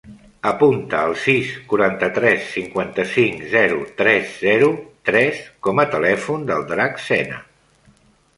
Apunta el sis, quaranta-tres, cinquanta-cinc, zero, tres, zero, tres com a telèfon del Drac Sena.